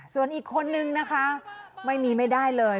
ส่วนอีกคนนึงนะคะไม่มีไม่ได้เลย